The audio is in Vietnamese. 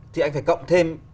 thì anh phải cộng thêm